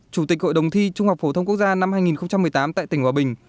chủ tịch hội đồng thi trung học phổ thông quốc gia năm hai nghìn một mươi tám tại tỉnh hòa bình